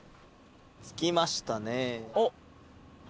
着きましたね。